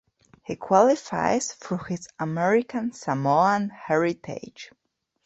He qualifies through his American Samoan heritage.